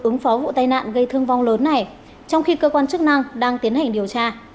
ứng phó vụ tai nạn gây thương vong lớn này trong khi cơ quan chức năng đang tiến hành điều tra